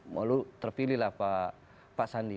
malu terpilihlah pak sandi